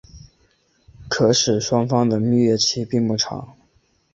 可使双方的蜜月期并不长。